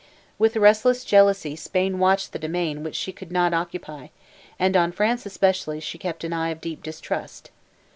With restless jealousy Spain watched the domain which she could not occupy, and on France especially she kept an eye of deep distrust.